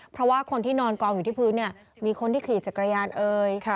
เพราะว่าคนที่นอนกองอยู่ที่พื้นเนี่ยมีคนที่ขี่จักรยานเอ่ย